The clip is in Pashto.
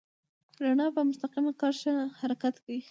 رڼا په مستقیمه کرښه حرکت کوي.